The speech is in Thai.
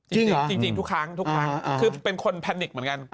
จริงทุกครั้งทุกครั้งคือเป็นคนแพนิกเหมือนกัน